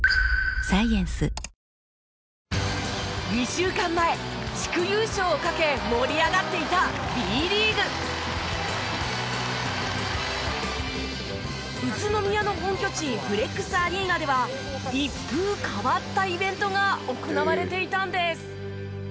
２週間前地区優勝をかけ盛り上がっていたＢリーグ！宇都宮の本拠地ブレックスアリーナでは一風変わったイベントが行われていたんです。